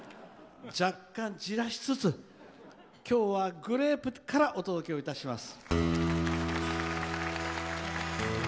若干じらしつつ、今日はグレープからお届けいたします。